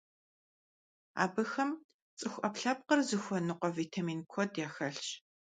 Абыхэм цӀыху Ӏэпкълъэпкъыр зыхуэныкъуэ витамин куэд яхэлъщ.